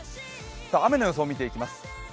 雨の予想、見ていきます。